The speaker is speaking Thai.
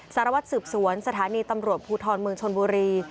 สารวัตรสืบสวนสถานีตำรวจภูทรเมืองชนบุรี